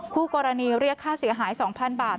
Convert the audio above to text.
คู่กรณีเรียกค่าเสียหาย๒๐๐๐บาท